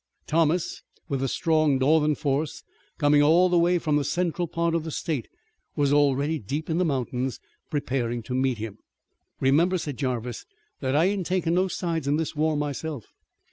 Thomas with a strong Northern force, coming all the way from the central part of the state, was already deep in the mountains, preparing to meet him. "Remember," said Jarvis, "that I ain't takin' no sides in this war myself.